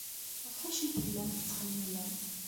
Ɣef wacu ay tellam tettxemmimem?